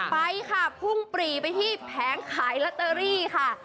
ไปค่ะพุ่งปรีไปที่แผงขายลอตเตอรี่ค่ะ